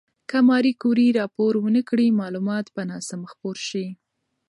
که ماري کوري راپور ونکړي، معلومات به ناسم خپور شي.